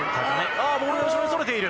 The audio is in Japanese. あっ、ボールが後ろにそれている。